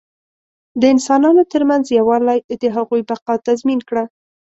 د انسانانو تر منځ یووالي د هغوی بقا تضمین کړه.